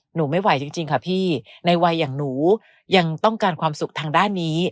หนูไม่ไหวจริงค่ะพี่ในวัยอย่างหนูยังต้องการความสุขทางด้านนี้